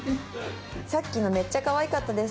「さっきのめっちゃかわいかったです」。